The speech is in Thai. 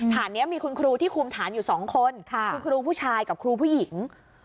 ฐานนี้มีคุณครูที่คุมฐานอยู่๒คนคุณครูผู้ชายกับครูผู้หญิง